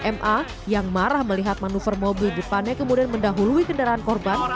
ma yang marah melihat manuver mobil depannya kemudian mendahului kendaraan korban